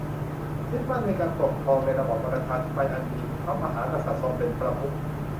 ยึดมั่นในการปกครองในระบอบประชาธิปไตยอันมีพระมหากษัตริย์ทรงเป็นประมุข